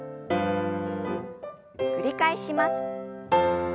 繰り返します。